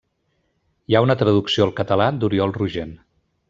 Hi ha una traducció al català d'Oriol Rogent.